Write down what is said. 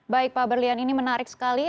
baik pak berlian ini menarik sekali